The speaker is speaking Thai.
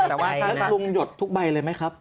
แต่ว่าถ้าลุงหยดทุกใบเลยไหมครับ